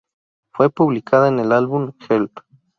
Fue publicada en el álbum "Help!